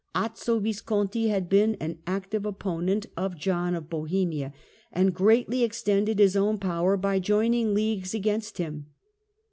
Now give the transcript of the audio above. Azzo Visconti had been an Miian*^ active opponent of John of Bohemia and greatly ex tended his own power by joining leagues against him.